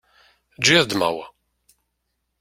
Eǧǧ-iyi ad ddmeɣ wa.